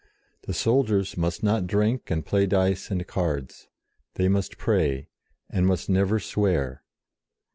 The soldiers must not drink and play dice and cards. They must pray, and must never swear.